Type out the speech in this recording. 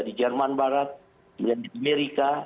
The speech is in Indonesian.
di jerman barat kemudian di amerika